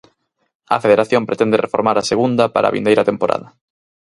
A Federación pretende reformar a Segunda para a vindeira temporada.